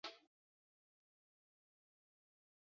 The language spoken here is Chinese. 此后元朝时趋于没落。